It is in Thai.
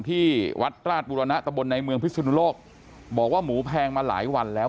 ที่วัดราชบุรณะตะบนในเมืองพิศนุโลกบอกว่าหมูแพงมาหลายวันแล้ว